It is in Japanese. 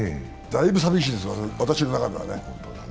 だいぶ寂しいです、私の中では。